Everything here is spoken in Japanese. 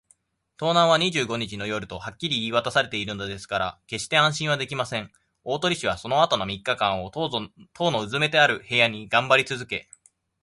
盗難は二十五日の夜とはっきり言いわたされているのですから、けっして安心はできません。大鳥氏はそのあとの三日間を、塔のうずめてある部屋にがんばりつづけ